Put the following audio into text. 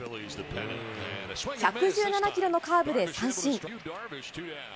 １１７キロのカーブで三振。